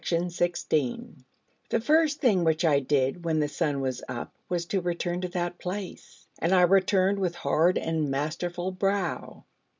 The first thing which I did when the sun was up was to return to that place: and I returned with hard and masterful brow.